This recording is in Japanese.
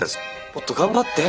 もっと頑張って。